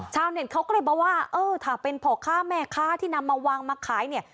ชาวเน็ตเขาก็เลยบอกว่าเออถ้าเป็นพ่อค้าแม่ค้าที่นำมาวางมาขายเนี่ย